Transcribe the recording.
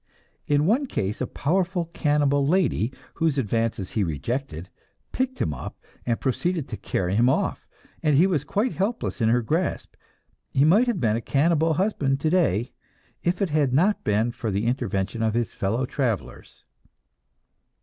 In one case a powerful cannibal lady, whose advances he rejected, picked him up and proceeded to carry him off, and he was quite helpless in her grasp; he might have been a cannibal husband today, if it had not been for the intervention of his fellow travelers.